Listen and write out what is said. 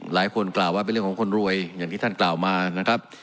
หลายคนกล่าวว่าเป็นเรื่องของคนรวยอย่างที่ท่านกล่าวมานะครับ